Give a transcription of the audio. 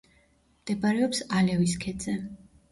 მდებარეობს ალევის ქედზე.